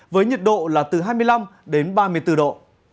với nhiệt độ là từ hai mươi năm đến ba mươi bốn độ